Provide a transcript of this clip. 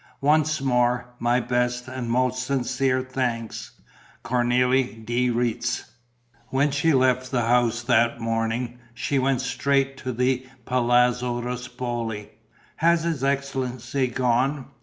"Once more, my best and most sincere thanks. "Cornélie de Retz." When she left the house that morning, she went straight to the Palazzo Ruspoli: "Has his excellency gone?"